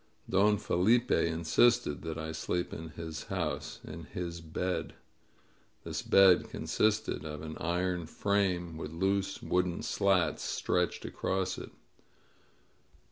Don Felipe insisted that I sleep in his house, in his bed. This bed consisted of an iron frame with loose wooden slats stretched across it.